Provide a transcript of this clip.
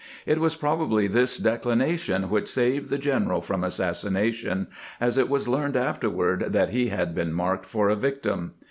It was probably this declination which saved the general from assassination, as it was learned afterward that he had been marked for a victim.